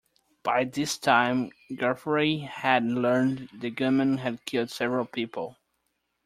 By this time, Guthrie had learned the gunman had killed several people.